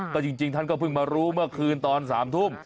ก็จริงท่านก็เพิ่งมารู้เมื่อคืนตอน๓ทุ่ม